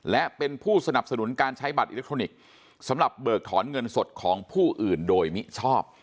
และเป็นผู้สนับสนุนการใช้บัตรอิเล็กทรอนิกส์สำหรับเบิกถอนเงินสดของผู้อื่นโดยมิชอบ